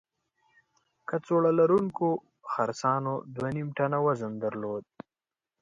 کڅوړه لرونکو خرسانو دوه نیم ټنه وزن درلود.